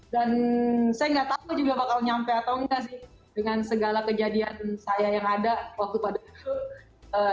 dan saya enggak tahu juga bakal nyampe atau enggak sih dengan segala kejadian saya yang ada waktu pada dulu